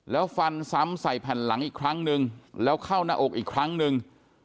แล้วฟันซ้ำใส่แผ่นหลังอีกครั้งนึงแล้วเข้าหน้าอกอีกครั้งหนึ่ง